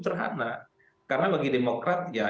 terhana karena bagi demokrat ya